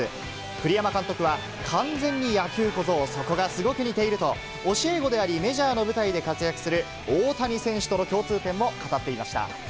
栗山監督は、完全に野球小僧、そこがすごく似ていると、教え子であり、メジャーの舞台で活躍する大谷選手との共通点も語っていました。